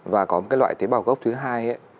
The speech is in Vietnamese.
và có một loại tế bào gốc thứ hai